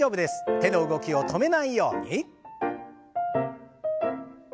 手の動きを止めないように。